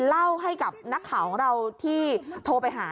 เล่าให้กับนักข่าวของเราที่โทรไปหา